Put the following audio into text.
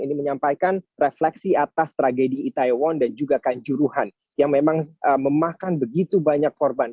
ini menyampaikan refleksi atas tragedi itaewon dan juga kanjuruhan yang memang memakan begitu banyak korban